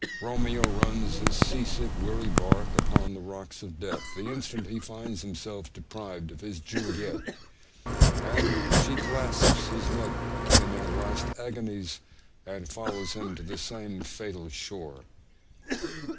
Romeo runs his 'sea sick, weary bark upon the rocks' of death the instant he finds himself deprived of his Juliet; and she clasps his neck in their last agonies, and follows him to the same fatal shore.